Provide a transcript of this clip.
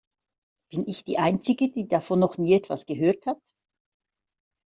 Bin ich die einzige, die davon noch nie etwas gehört hat?